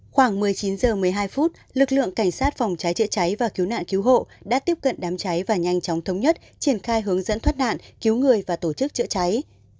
khoảng một mươi chín h một mươi hai phút lực lượng cảnh sát phòng cháy chữa cháy và cứu nạn cứu hộ đã tiếp cận đám cháy và nhanh chóng thống nhất triển khai hướng dẫn thoát nạn cứu người và tổ chức chữa cháy